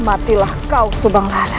matilah kau subang lara